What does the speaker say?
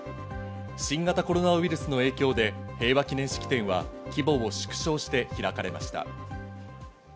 新型コロナウイルスの影響で平和記念式典は規模を縮小して開かれました。